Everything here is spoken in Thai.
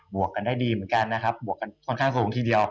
วกกันได้ดีเหมือนกันนะครับบวกกันค่อนข้างสูงทีเดียว